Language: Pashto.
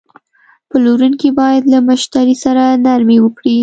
پلورونکی باید له مشتری سره نرمي وکړي.